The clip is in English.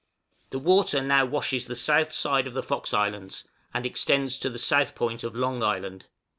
The water now washes the south side of the Fox Islands, and extends to the south point of Long Island.